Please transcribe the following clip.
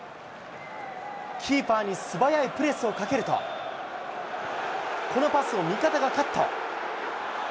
キーパーに素早いプレスをかけると、このパスを味方がカット。